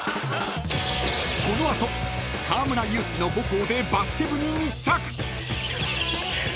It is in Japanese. ［この後河村勇輝の母校でバスケ部に密着！］